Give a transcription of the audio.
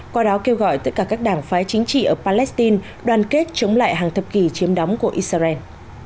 qua đó kêu gọi tất cả các đảng phái chính trị ở palestine đoàn kết chống lại hàng thập kỷ chiếm đóng của israel